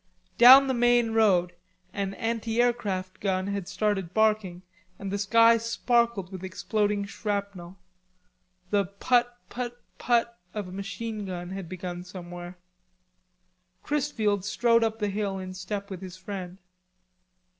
Down the main road an anti aircraft gun had started barking and the sky sparkled with exploding shrapnel. The "put, put, put" of a machine gun had begun somewhere. Chrisfield strode up the hill in step with his friend.